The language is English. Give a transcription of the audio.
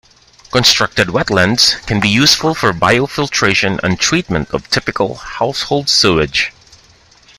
Constructed wetlands can be useful for biofiltration and treatment of typical household sewage.